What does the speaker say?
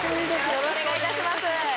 よろしくお願いします